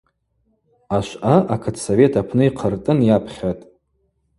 Ашвъа акытсовет апны йхъыртӏын йапхьатӏ.